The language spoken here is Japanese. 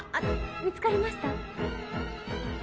みつかりました？